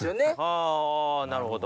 あぁなるほど。